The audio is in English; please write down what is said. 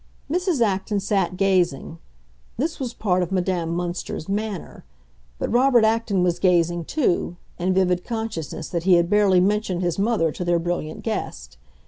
Mrs. Acton sat gazing; this was part of Madame Münster's "manner." But Robert Acton was gazing too, in vivid consciousness that he had barely mentioned his mother to their brilliant guest.